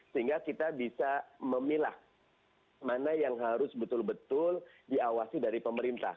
sehingga kita bisa memilah mana yang harus betul betul diawasi dari pemerintah